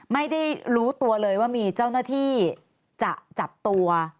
ไม่ได้รู้ตัวเลยว่ามีเจ้าหน้าที่จะจับตัว